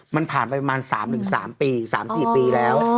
มันผ่านไปประมาณสามหนึ่งสามปีสามสี่ปีแล้วอ๋อ